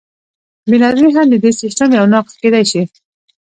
بې نظمي هم د دې سیسټم یو نقص کیدی شي.